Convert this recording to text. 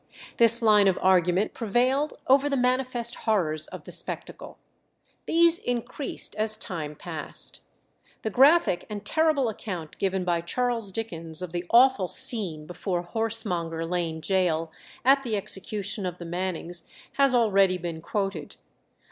This line of argument prevailed over the manifest horrors of the spectacle. These increased as time passed. The graphic and terrible account given by Charles Dickens of the awful scene before Horsemonger Lane Gaol, at the execution of the Mannings, has already been quoted.